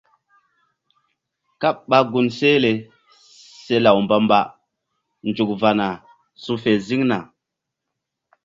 Káɓ ɓa gun sehle se law mbamba nzuk va̧na su fe ziŋna.